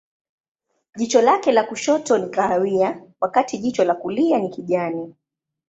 Jicho lake la kushoto ni kahawia, wakati jicho la kulia ni kijani.